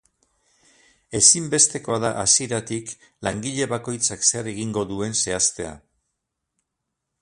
Ezinbestekoa da hasieratik langile bakoitzak zer egingo duen zehaztea.